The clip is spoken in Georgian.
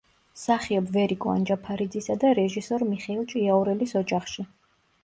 მსახიობ ვერიკო ანჯაფარიძისა და რეჟისორ მიხეილ ჭიაურელის ოჯახში.